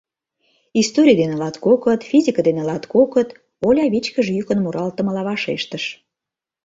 — Историй дене латкокыт, физике дене латкокыт, — Оля вичкыж йӱкын муралтымыла вашештыш.